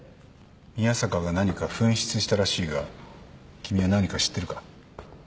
宮坂が何か紛失したらしいが君は何か知ってるか？